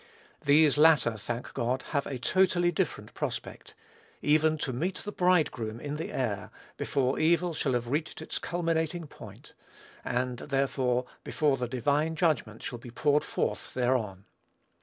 These latter, thank God, have a totally different prospect, even to meet the Bridegroom in the air, before evil shall have reached its culminating point, and, therefore, before the divine judgment shall be poured forth thereon.